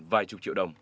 vài chục triệu đồng